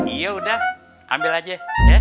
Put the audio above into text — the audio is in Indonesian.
iya udah ambil aja